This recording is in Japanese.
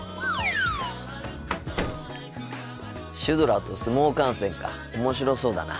シュドラと相撲観戦か面白そうだな。